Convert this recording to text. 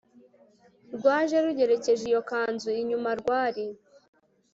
rwaje rugerekeje iyo kanzu inyuma rwari